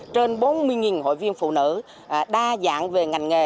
trên bốn mươi hội viên phụ nữ đa dạng về ngành nghề